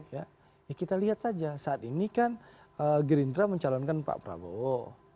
ya kita lihat saja saat ini kan gerindra mencalonkan pak prabowo